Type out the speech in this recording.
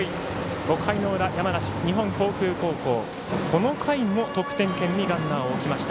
５回の裏山梨・日本航空高校この回も得点圏にランナーを置きました。